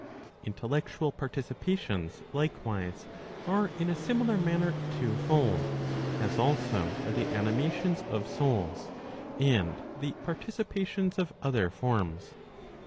Intellectual participations, likewise, are in a Similar manner two fold, as also are the animations of souls, and the participations of other forms.